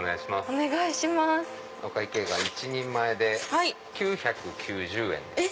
お会計が１人前で９９０円です。